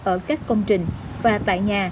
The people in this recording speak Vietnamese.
ở các công trình và tại nhà